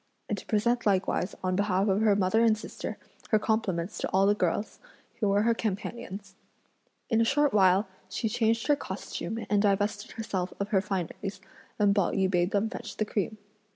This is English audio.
and to present likewise, on behalf of her mother and sister, her compliments to all the girls, who were her companions. In a short while, she changed her costume and divested herself of her fineries, and Pao yü bade them fetch the cream.